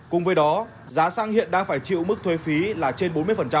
cùng với đó giá xăng hiện đang phải chịu mức thuế phí là trên bốn mươi